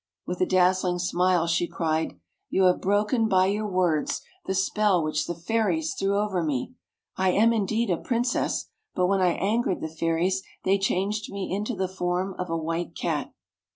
With a dazzling smile she cried, " You have broken, by your words, the spell which the fairies threw over me. I am, indeed, a Princess, but when I angered the fairies, they changed me into the form of a White Cat."